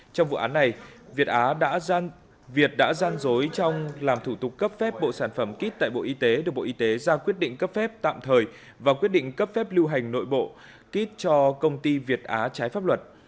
trong vụ án này việt á việt đã gian dối trong làm thủ tục cấp phép bộ sản phẩm kit tại bộ y tế được bộ y tế ra quyết định cấp phép tạm thời và quyết định cấp phép lưu hành nội bộ kit cho công ty việt á trái pháp luật